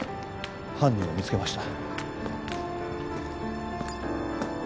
犯人を見つけました